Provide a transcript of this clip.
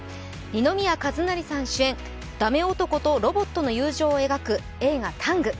二宮和也さん主演、駄目男とロボットの友情を描く映画「ＴＡＮＧタング」。